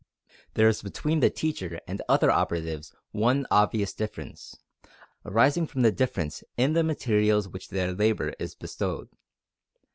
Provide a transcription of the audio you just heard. There is between the teacher and other operatives one obvious difference, arising from the difference in the materials upon which their labor is bestowed.